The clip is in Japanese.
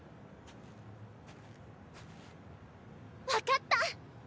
分かった！